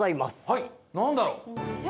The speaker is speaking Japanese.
はいなんだろう？